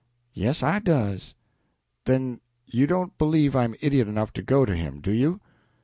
"Yes, I does." "Then you don't believe I'm idiot enough to go to him, do you?"